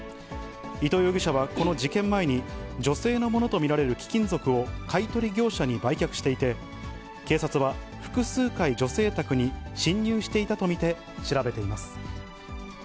伊藤容疑者はこの事件前に、女性のものと見られる貴金属を買い取り業者に売却していて、警察は、複数回女性宅に侵入していたと見て調べています。